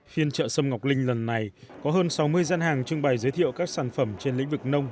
phiên chợ sâm ngọc linh lần này có hơn sáu mươi gian hàng trưng bày giới thiệu các sản phẩm trên lĩnh vực nông